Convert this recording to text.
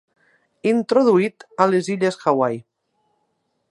Introduït a les illes Hawaii.